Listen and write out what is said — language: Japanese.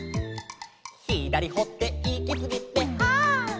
「ひだりほっていきすぎてはっ」